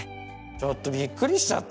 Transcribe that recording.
ちょっとびっくりしちゃった。